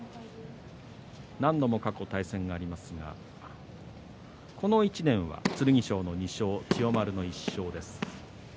何度も過去、対戦がありますがこの１年は剣翔の２勝千代丸の１勝です。